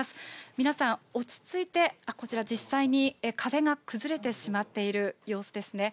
皆さん、落ち着いて、こちら、実際に壁が崩れてしまっている様子ですね。